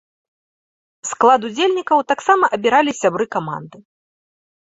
Склад удзельнікаў таксама абіралі сябры каманды.